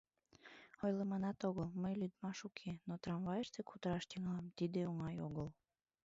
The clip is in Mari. Ойлыманат огыл, мый лӱдмаш уке, но трамвайыште кутыраш тӱҥалам — тиде оҥай огыл...»